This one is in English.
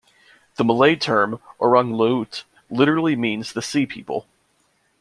The Malay term "orang laut" literally means the sea peoples.